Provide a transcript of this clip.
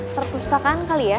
terpustakaan kali ya